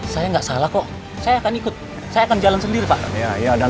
saya nggak salah kok saya akan ikut saya akan jalan sendiri pak